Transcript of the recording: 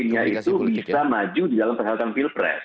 bisa pemimpinnya itu bisa maju di dalam perhentian kan pilpres